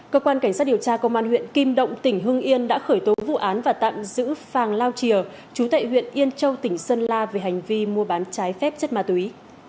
cơ quan cảnh sát điều tra công an huyện kim động tỉnh hưng yên đã khởi tố vụ án và tạm giữ phàng lao chìa chú tệ huyện yên châu tỉnh sơn la về hành vi mua bán trái phép chất ma túy